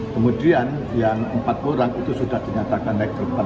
kemudian yang empat orang itu sudah dinyatakan layak berbang